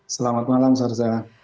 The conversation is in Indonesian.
selamat malam mas revo